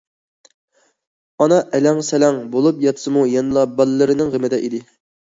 ئانا ئەلەڭ- سەلەڭ بولۇپ ياتسىمۇ يەنىلا بالىلىرىنىڭ غېمىدە ئىدى.